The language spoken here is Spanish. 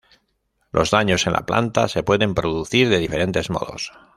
Los daños en la planta se pueden producir de diferentes modos.